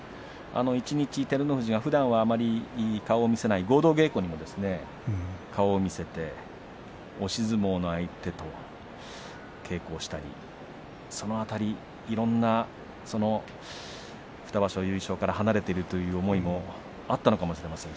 一日、照ノ富士がふだんはあまり顔を見せない合同稽古に顔を見せて押し相撲の相手と稽古をしたりその辺り、２場所優勝から離れているという思いもあったのかもしれません。